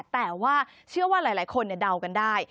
แต่ว่าเชื่อว่าหลายคนเดากันได้